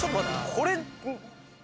これ。